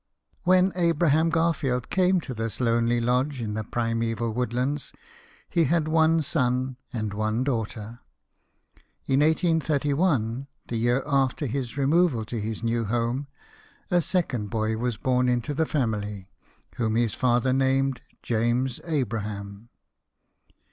When Abram Garfield came to this lonely lodge in the primaeval woodlands, he had one son and one daughter. In 1831, the year after his removal to his new home, a second boy was born into the family, whom his father named James Abram.